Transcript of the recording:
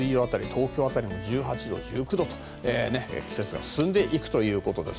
東京辺りは１８度や１９度と季節が進むということです。